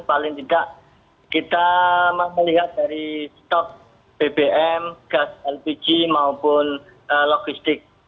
paling tidak kita melihat dari stok bbm gas lpg maupun logistik